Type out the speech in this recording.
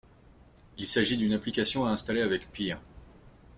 Il s’agit d’une application à installer avec PEAR.